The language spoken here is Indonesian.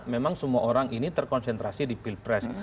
memang semua orang ini terkonsentrasi di pilpres